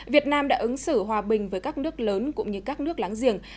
việt nam đã ứng xử hòa bình với các nước lớn cũng như các nước láng giềng